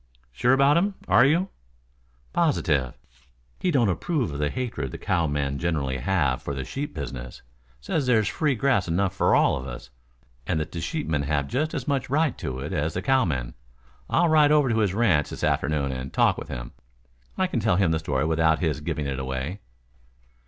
"Sure about him, are you?" "Positive. He don't approve of the hatred that the cowmen generally have for the sheep business. Says there's free grass enough for all of us and that the sheepmen have just as much right to it as the cowmen. I'll ride over to his ranch this afternoon and talk with him. I can tell him the story without his giving it away."